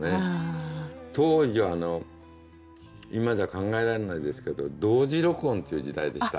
当時は今じゃ考えられないですけど同時録音っていう時代でした。